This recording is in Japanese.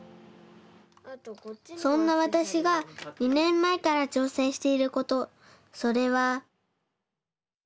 そんなわたしが２ねんまえからちょうせんしていることそれは。